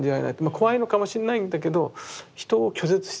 怖いのかもしれないんだけど人を拒絶してないっていうか。